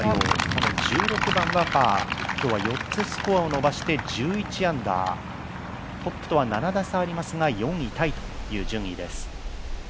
この１６番パー、今日は４つスコアを伸ばして１１アンダー、トップとは７打差ありますが、４位タイという順位です。